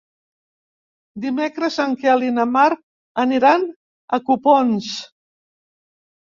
Dimecres en Quel i na Mar aniran a Copons.